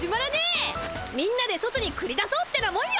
みんなで外にくり出そうってなもんよ。